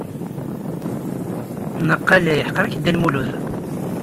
Naqal yeḥqer-ik Dda Lmulud.